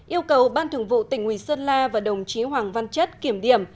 yêu cầu ban thường vụ tỉnh ủy sơn la và đồng chí hoàng văn chất kiểm điểm